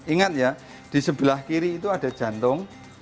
ingat ya di sebelah kiri itu ada jantung